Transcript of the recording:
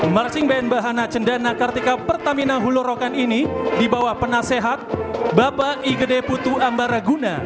marching band bahana cendana kartika pertamina hulorokan ini dibawa penasehat bapak igede putu ambaraguna